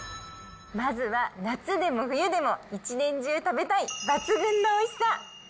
まずは夏でも冬でも１年中食べたい抜群のおいしさ。